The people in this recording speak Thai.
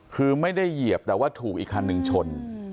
คือไม่ได้เหยียบแต่ว่าถูกอีกคันหนึ่งชน